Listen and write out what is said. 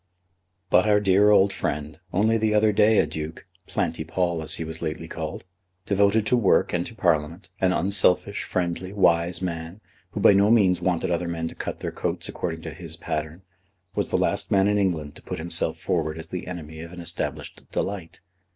But our dear old friend, only the other day a duke, Planty Pall as he was lately called, devoted to work and to Parliament, an unselfish, friendly, wise man, who by no means wanted other men to cut their coats according to his pattern, was the last man in England to put himself forward as the enemy of an established delight.